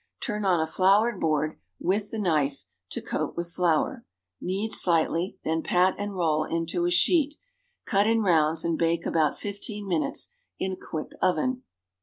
Turn on a floured board, with the knife, to coat with flour; knead slightly then pat and roll into a sheet; cut in rounds and bake about fifteen minutes in a quick oven.